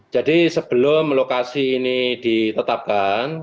jadi sebelum lokasi ini ditetapkan